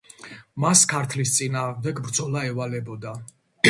მას ქართლის წინააღმდეგ ბრძოლა ევალებოდა.